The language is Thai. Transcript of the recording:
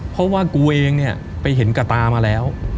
เพราะว่ากูเองเนี่ยไปเห็นกระตามาแล้ว